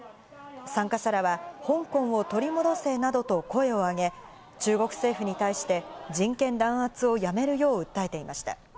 参加者らは、香港を取り戻せなどと声を上げ、中国政府に対して、人権弾圧をやめるよう訴えていました。